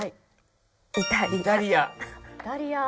「イタリア」